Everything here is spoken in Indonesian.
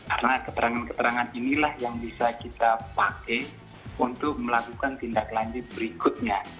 karena keterangan keterangan inilah yang bisa kita pakai untuk melakukan tindak lanjut berikutnya